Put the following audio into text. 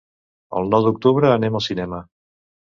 El nou d'octubre anem al cinema.